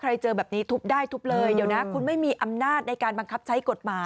เจอแบบนี้ทุบได้ทุบเลยเดี๋ยวนะคุณไม่มีอำนาจในการบังคับใช้กฎหมาย